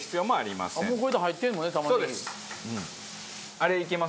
あれいけます？